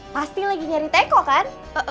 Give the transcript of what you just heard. pasti lagi nyari teko kan